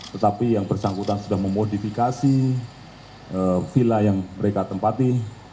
tetapi yang bersangkutan sudah memodifikasi villa yang mereka tempatin